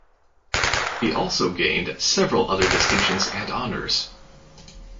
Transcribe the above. He also gained several other distinctions and honours.